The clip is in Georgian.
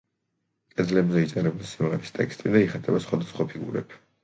კედლებზე იწერება სიმღერის ტექსტი და იხატება სხვადასხვა ფიგურები.